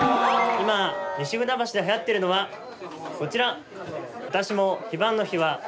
今西船橋ではやってるのはこちら。